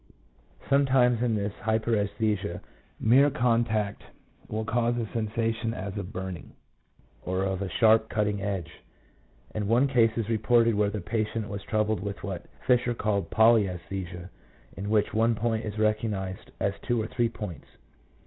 1 Some times in this hyperesthesia, mere contact will cause a sensation as of burning, or of a sharp cutting edge: and one case is reported where the patient was troubled with what Fischer called polysesthesia, in which one point is recognized as two or three points.